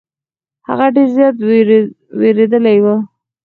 هغه ډير زيات ويرويدلې وه.